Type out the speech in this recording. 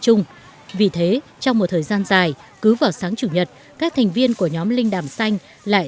chung vì thế trong một thời gian dài cứ vào sáng chủ nhật các thành viên của nhóm linh đàm xanh lại